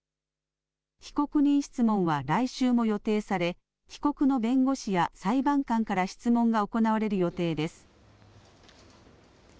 被告人質問は来週も予定され、被告の弁護士や裁判官から質問が行われる予定です。